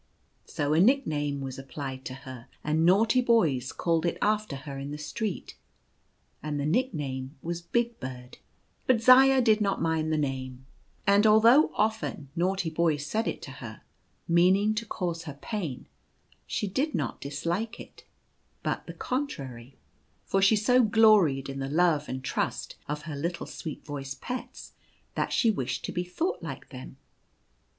' So a nickname was applied to her, and naughty boys called it after her in the street, and the nickname was u Big Bird/' But Zaya did not mind the name ; and although often naughty boys said it to her, meaning to cause her pain, she did not dislike it, but the contrary, for she so gloried in the love and trust of her little sweet voiced pets that she wished to be thought like them.